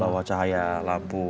bawah cahaya lampu itu semua